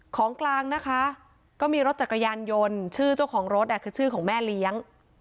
ของกลางนะคะก็มีรถจักรยานยนต์ชื่อเจ้าของรถคือชื่อของแม่เลี้ยง